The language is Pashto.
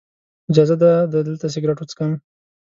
اجازه ده دلته سګرټ وڅکم.